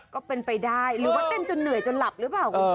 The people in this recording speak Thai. ก็เป็นไปได้หรือว่าเต้นจนเหนื่อยจนหลับหรือเปล่า